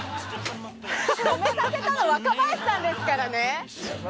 止めさせたの若林さんですからね？